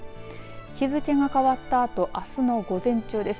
日付が変わったあとあすの午前中です。